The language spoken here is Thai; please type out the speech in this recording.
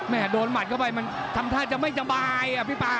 โดนหมัดเข้าไปมันทำท่าจะไม่สบายอ่ะพี่ป่า